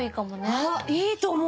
あっいいと思う！